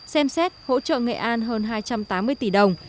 xem xét hỗ trợ nghệ an hơn hai trăm tám mươi tỷ đồng